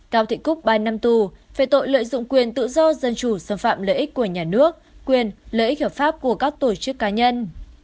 cao thị cúc ba năm tù về tội lợi dụng quyền tự do dân chủ xâm phạm lợi ích của nhà nước quyền lợi ích hợp pháp của các tổ chức cá nhân